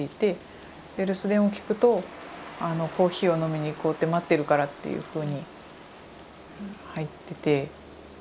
で留守電を聞くとコーヒーを飲みに行こうって待ってるからっていうふうに入ってて。